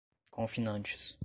confinantes